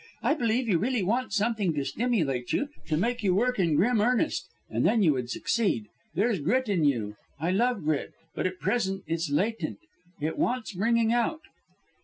I believe you really want something to stimulate you, to make you work in grim earnest then you would succeed. There's grit in you I love grit but at present it's latent, it wants bringing out."